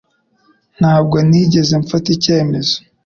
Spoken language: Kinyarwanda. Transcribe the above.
Ntabwo nigeze mfata icyemezo